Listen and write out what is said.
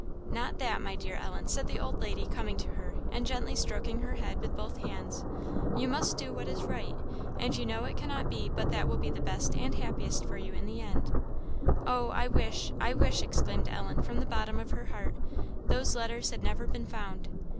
"Not that, my dear Ellen," said the old lady, coming to her, and gently stroking her head with both hands. "You must do what is right; and you know it cannot be but that will be the best and happiest for you in the end." "Oh! I wish I wish," exclaimed Ellen from the bottom of her heart, "those letters had never been found!"